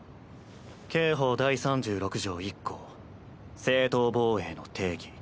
刑法第３６条１項正当防衛の定義。